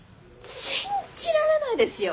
信じられないですよ。